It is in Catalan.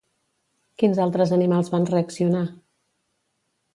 Quins altres animals van reaccionar?